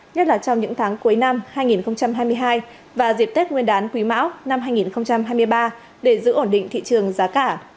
nhất là trong những tháng cuối năm hai nghìn hai mươi hai và dịp tết nguyên đán quý mão năm hai nghìn hai mươi ba để giữ ổn định thị trường giá cả